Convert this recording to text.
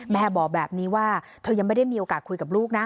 แม่บอกแบบนี้ว่าเธอยังไม่ได้มีโอกาสคุยกับลูกนะ